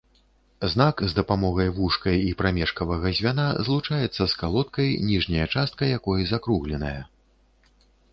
Знак з дапамогай вушка і прамежкавага звяна злучаецца з калодкай, ніжняя частка якой закругленая.